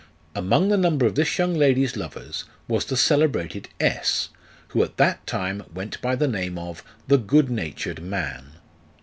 Among the number of this young lady's lovers was the celebrated S , who, at that time, went by the name of "the good natured man."